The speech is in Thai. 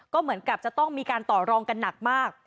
ก็เหมือนกับจะต้องมีการต่อรองกันหนักมาก